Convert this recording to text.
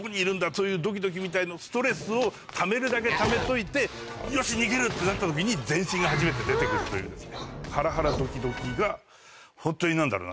そういうドキドキみたいのストレスをためるだけためといてよし逃げる！ってなった時に全身が初めて出て来るというですね。がホントに何だろうな。